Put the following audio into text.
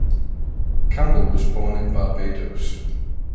Campbell was born in Barbados.